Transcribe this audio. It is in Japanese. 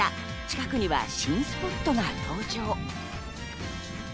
近くには新スポットが登場。